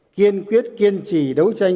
kiên quyết kiên trì đấu tranh